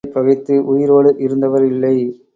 ஊராரைப் பகைத்து உயிரோடு இருந்தவர் இல்லை.